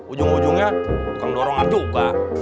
ujung ujungnya tukang dorongan juga